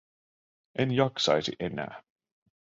En jaksaisi enää.